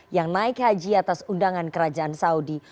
yang naik haji atas undangan kerajaan saudi